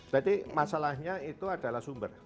jadi masalahnya itu adalah sumber